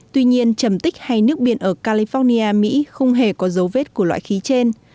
tuy nhiên trầm tích hay nước biển ở california mỹ không hề có dấu vết của loại khí trên